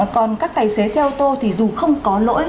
còn các tài xế xe ô tô thì dù không có lỗi